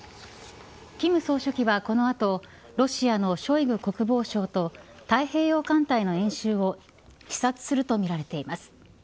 金総書記はこの後ロシアのショイグ国防相と太平洋艦隊の演習を視察するとみられています。